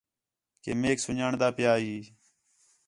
کہ میک سن٘ڄاݨن دا پیا ہی